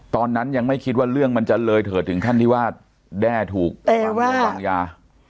ตอนนั้นยังไม่คิดว่าเรื่องมันจะเลยเถิดถึงขั้นที่ว่าแด้ถูกแต่ว่าวางยา